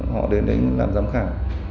họ đến đấy làm giám khảo